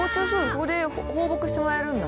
ここで放牧してもらえるんだ。